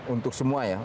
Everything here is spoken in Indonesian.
untuk semua ya